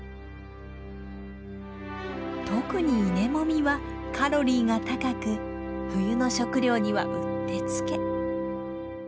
特に稲もみはカロリーが高く冬の食料にはうってつけ。